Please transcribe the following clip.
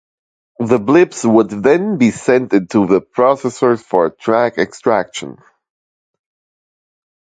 The blips would then be sent into the processors for track extraction.